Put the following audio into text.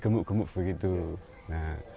kemudian saya mencari kembang kembangnya